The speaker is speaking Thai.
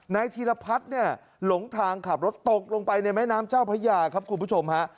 ธีรพัฒน์เนี่ยหลงทางขับรถตกลงไปในแม่น้ำเจ้าพระยาครับคุณผู้ชมฮะ